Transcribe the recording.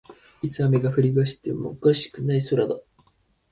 いつ雨が降りだしてもおかしくない空だ